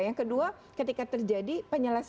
yang kedua ketika terjadi penyelesaian